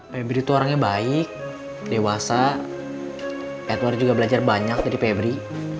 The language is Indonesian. pebri itu orangnya baik dewasa edward juga belajar banyak jadi pebri